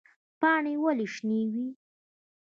پاڼې ولې شنې وي؟